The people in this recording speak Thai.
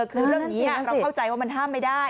คือเรื่องนี้เราเข้าใจว่ามันห้ามไม่ได้